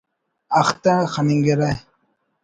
اختہ خننگرہ